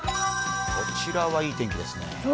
こちらは、いい天気ですね。